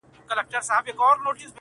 د يوسفي ښکلا له هر نظره نور را اورې؛